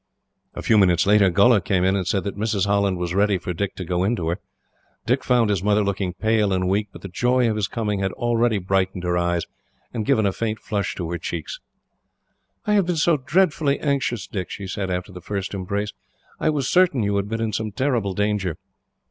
A few minutes later Gholla came in, and said that Mrs. Holland was ready for Dick to go in to her. Dick found his mother looking pale and weak; but the joy of his coming had already brightened her eyes, and given a faint flush to her cheeks. "I have been so dreadfully anxious, Dick," she said, after the first embrace. "I was certain you had been in some terrible danger."